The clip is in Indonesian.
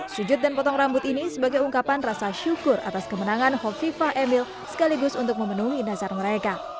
sujud dan potong rambut ini sebagai ungkapan rasa syukur atas kemenangan hovifah emil sekaligus untuk memenuhi nazar mereka